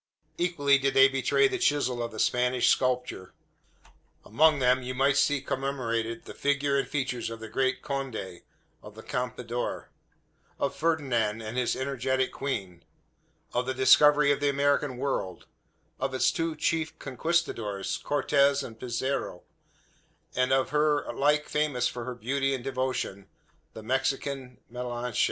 Equally did they betray the chisel of the Spanish sculptor. Among them you might see commemorated the figure and features of the great Conde; of the Campeador; of Ferdinand and his energetic queen; of the discoverer of the American world; of its two chief conquistadores Cortez and Pizarro; and of her, alike famous for her beauty and devotion, the Mexican Malinche.